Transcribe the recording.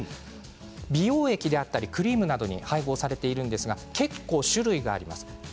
美容液であったりクリームなどに配合されているんですが結構種類があります。